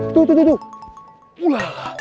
tuh tuh tuh